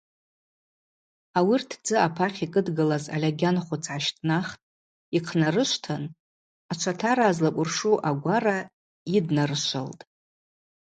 Ауи ртдзы апахь йкӏыдгылаз альагьан хвыц гӏащтӏнахтӏ, йахънарышвтын, ачватара злакӏвыршу агвара йыднарышвылтӏ.